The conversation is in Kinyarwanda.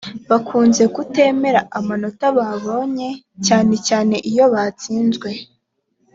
bakunze kutemera amanota babonye cyanecyane iyo batsinzwe